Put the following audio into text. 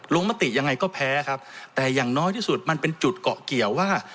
มติยังไงก็แพ้ครับแต่อย่างน้อยที่สุดมันเป็นจุดเกาะเกี่ยวว่า